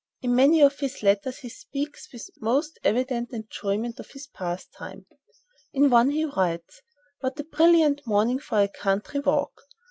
In many of his letters he speaks with most evident enjoyment of this pastime. In one he writes: "What a brilliant morning for a country walk!